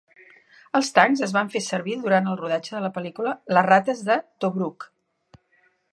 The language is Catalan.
Els tancs es van fer servir durant el rodatge de la pel·lícula "Les rates de Tobruk".